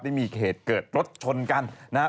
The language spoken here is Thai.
ได้มีเหตุเกิดรถชนกันนะครับ